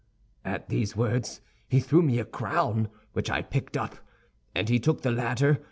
At these words he threw me a crown, which I picked up, and he took the ladder.